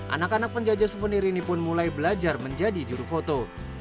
anak anak penjajah suvenir ini pun mulai belajar menjadi juru foto